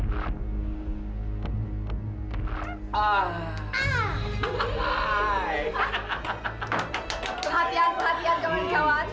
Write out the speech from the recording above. perhatian perhatian kawan kawan